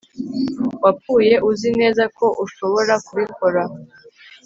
Wapfuye uzi neza ko ushobora kubikora